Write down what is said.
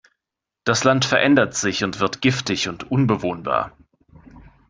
Das Land verändert sich und wird giftig und unbewohnbar.